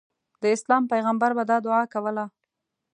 د اسلام پیغمبر به دا دعا کوله.